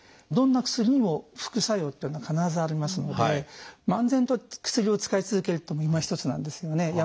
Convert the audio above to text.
どんな薬にも副作用っていうのは必ずありますので漫然と薬を使い続けるというのもいまひとつなんですよね。